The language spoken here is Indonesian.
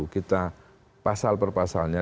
kita pasal per pasalnya